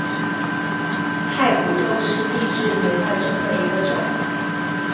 太古宙是地质年代中的一个宙。